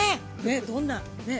◆どんなねっ。